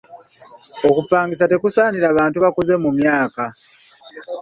Okupangisa tekusaanira bantu bakuze mu myaka.